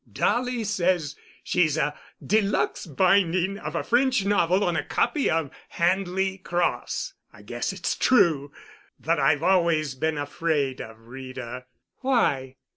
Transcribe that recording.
"Dolly says she's a de luxe binding of a French novel on a copy of 'Handley Cross.' I guess it's true. But I've always been afraid of Rita." "Why?"